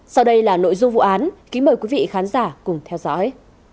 sau đây là nội dung vụ án kính mời quý vị khán giả cùng theo dõi